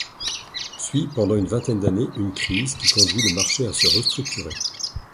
Suit, pendant une vingtaine d’année, une crise, qui conduit le marché à se restructurer.